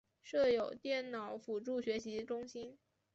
设有电脑辅助学习中心。